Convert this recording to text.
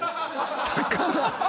魚。